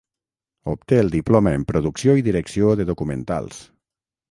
Obté el diploma en producció i direcció de documentals.